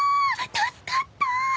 助かった！